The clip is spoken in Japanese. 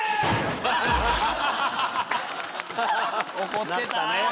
怒ってた。